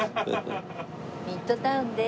ミッドタウンです。